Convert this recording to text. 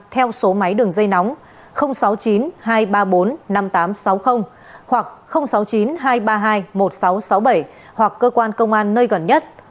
theo số máy đường dây nóng sáu mươi chín hai trăm ba mươi bốn năm nghìn tám trăm sáu mươi hoặc sáu mươi chín hai trăm ba mươi hai một nghìn sáu trăm sáu mươi bảy hoặc cơ quan công an nơi gần nhất